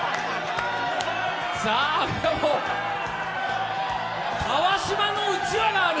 あっ、川島のうちわがある！